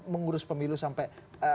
mengurus pemilu sampai